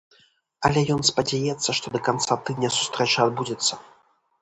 Але ён спадзяецца, што да канца тыдня сустрэча адбудзецца.